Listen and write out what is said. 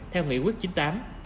theo nghị quyết chín mươi tám